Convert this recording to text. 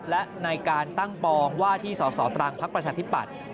และในการตั้งปองว่าที่สสตรังพักประชาธิปัตย์